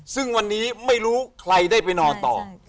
ซึ่งวันนี้ไม่รู้ใครได้ไปนอนต่อ